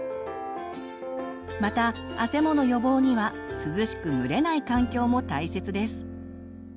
またあせもの予防には涼しく蒸れない環境も大切です。